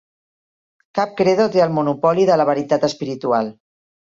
Cap credo té el monopoli de la veritat espiritual.